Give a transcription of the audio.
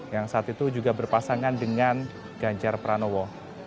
yang saat itu juga berpasangan dengan ganjar pranowo